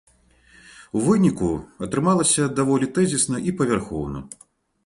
У выніку атрымалася даволі тэзісна і павярхоўна.